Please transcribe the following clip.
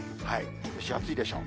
蒸し暑いでしょう。